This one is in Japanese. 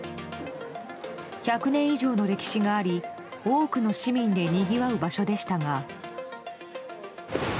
１００年以上の歴史があり多くの市民でにぎわう場所でしたが。